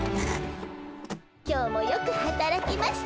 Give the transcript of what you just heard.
今日もよくはたらきました。